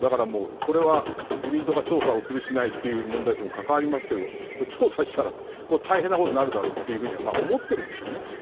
これは、自民党が調査をするしないという問題とも関わりますけど調査をしたら大変なことになるだろうとは思っているんでしょうね。